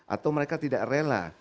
atau mereka tidak rela